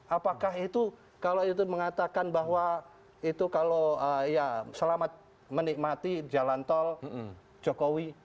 apakah itu kalau itu mengatakan bahwa itu kalau ya selamat menikmati jalan tol jokowi